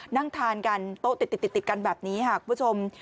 นั่งทานกันโต๊ะติดกันแบบนี้ค่ะคุณผู้ชม